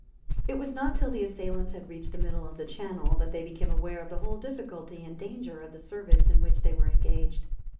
It was not till the assailants had reached the middle of the channel that they became aware of the whole difficulty and danger of the service in which they were engaged.